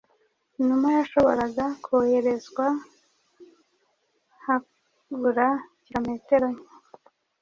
Inuma yashoboraga koherezwa habura kilometero nke